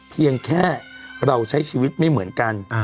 เพียงแค่เราใช้ชีวิตไม่เหมือนกัน